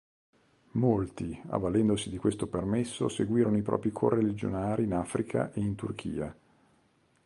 Molti, avvalendosi di questo permesso, seguirono i propri correligionari in Africa e in Turchia.